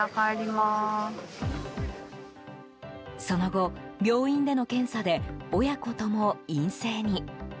その後、病院での検査で親子とも陰性に。